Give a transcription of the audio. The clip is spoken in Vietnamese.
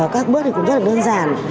các bước cũng rất đơn giản